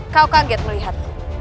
kau kaget melihat